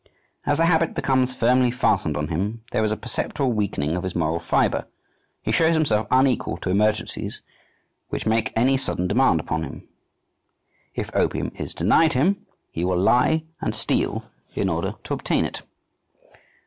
As the habit becomes firmly fastened on him, there is a perceptible weakening of his moral fibre; he shows himself unequal to emergencies which make any sudden demand upon him. If opium is denied him, he will lie and steal in order to obtain it.